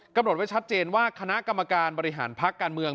กำหนดไว้ชัดเจนว่าคณะกรรมการบริหารพักการเมือง